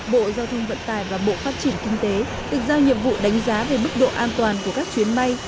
bộ giao thông vận tải và bộ phát triển kinh tế được giao nhiệm vụ đánh giá về mức độ an toàn của các chuyến bay